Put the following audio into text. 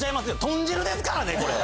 豚汁ですからねこれ！